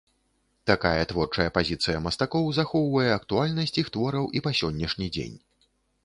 Такая творчая пазіцыя мастакоў захоўвае актуальнасць іх твораў і па сённяшні дзень.